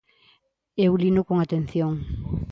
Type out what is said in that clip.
Eu lino con atención.